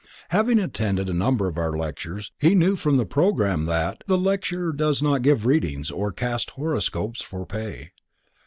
Having attended a number of our lectures he knew from the program that: "The lecturer does not give readings, or cast horoscopes for pay."